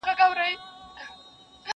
• چاته که سکاره یمه اېرې یمه,